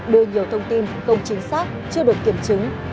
đưa nhiều thông tin không chính xác chưa được kiểm chứng